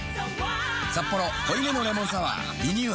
「サッポロ濃いめのレモンサワー」リニューアル